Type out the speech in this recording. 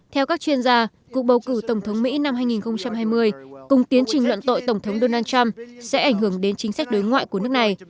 theo các chuyên gia cuộc bầu cử tổng thống mỹ năm hai nghìn hai mươi cùng tiến trình luận tội tổng thống donald trump sẽ ảnh hưởng đến chính sách đối ngoại của nước này